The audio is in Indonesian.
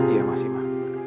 iya masih ma